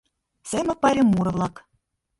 СЕМЫК ПАЙРЕМ МУРО-ВЛАК.